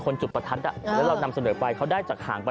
คุณผู้ชมไปฟังเสียงกันหน่อยว่าเค้าทำอะไรกันบ้างครับ